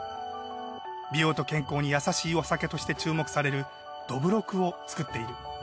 美容と健康にやさしいお酒として注目されるどぶろくを造っている。